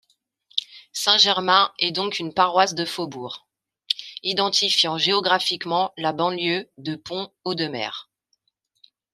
Saint-Germain est donc une paroisse de faubourg, identifiant géographiquement la banlieue de Pont-Audemer.